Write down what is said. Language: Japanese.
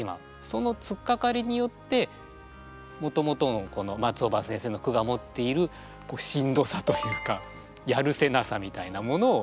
そのつっかかりによってもともとの松尾葉先生の句が持っているしんどさというかやるせなさみたいなものを表現しようと。